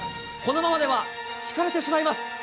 このままではひかれてしまいます。